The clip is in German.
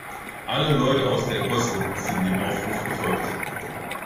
Alle Leute aus der Gosse sind dem Aufruf gefolgt.